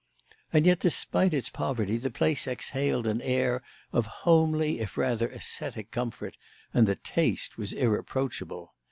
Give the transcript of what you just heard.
And yet, despite its poverty, the place exhaled an air of homely if rather ascetic comfort, and the taste was irreproachable.